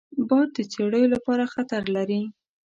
باد د څړیو لپاره خطر لري